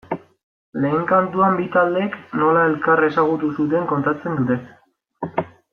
Lehen kantuan bi taldeek nola elkar ezagutu zuten kontatzen dute.